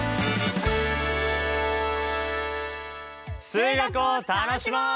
数学を楽しもう！